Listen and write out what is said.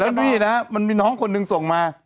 แล้วนี่นะฮะมันมีน้องคนหนึ่งส่งมา